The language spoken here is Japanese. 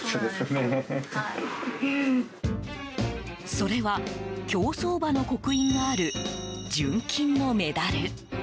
それは競走馬の刻印がある純金のメダル。